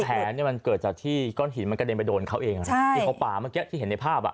แผลเนี่ยมันเกิดจากที่ก้อนหินมันกระเด็นไปโดนเขาเองที่เขาป่าเมื่อกี้ที่เห็นในภาพอ่ะ